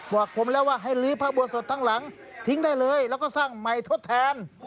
บอกผมแล้วว่าให้ลื้อพระโบสถทั้งหลังทิ้งได้เลยแล้วก็สร้างใหม่ทดแทน